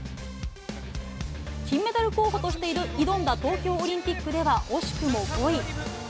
金メダル候補として挑んだ東京オリンピックでは、惜しくも５位。